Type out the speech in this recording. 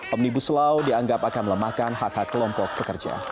omnibus law dianggap akan melemahkan hak hak kelompok pekerja